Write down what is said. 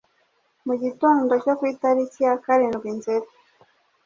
Mu gitondo cyo ku itariki ya karindwi nzeri